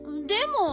でも。